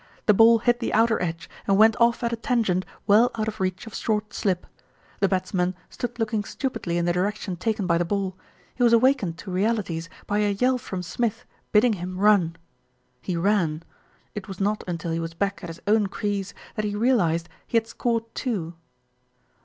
The ball hit the outer edge and went off at a tangent well out of reach of short slip. The batsman 212 THE RETURN OF ALFRED stood looking stupidly in the direction taken by the ball. He was awakened to realities by a yell from Smith, bidding him run. He ran. It was not until he was back at his own crease that he realised he had scored two.